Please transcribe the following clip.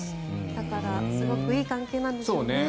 だからすごくいい関係なんでしょうね。